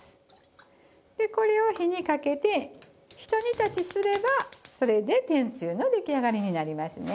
でこれを火にかけてひと煮立ちすればそれで天つゆの出来上がりになりますね。